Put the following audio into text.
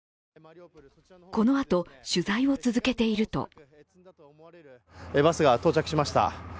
このあと、取材を続けているとバスが到着しました。